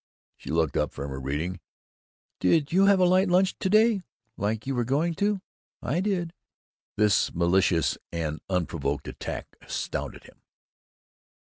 She looked up from her reading. "Did you have a light lunch to day, like you were going to? I did!" This malicious and unprovoked attack astounded him.